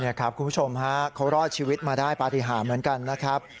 นี่ครับคุณผู้ชมฮะเขารอดชีวิตมาได้ปฏิหารเหมือนกันนะครับ